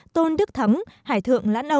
tôn đức thấm hải thượng